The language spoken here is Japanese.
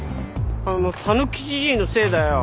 あのタヌキじじいのせいだよ。